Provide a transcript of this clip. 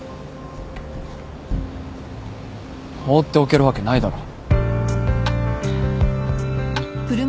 放っておけるわけないだろ。